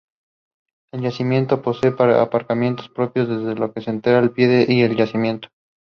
The case drew national and international attention as an example of antisemitism in France.